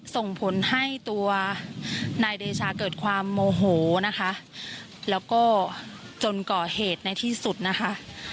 ส่งผลให้ตัวนายเดชาเกิดความโมโหนะคะแล้วก็จนก่อเหตุในที่สุดนะคะ